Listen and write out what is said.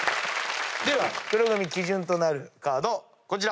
では黒組基準となるカードこちら。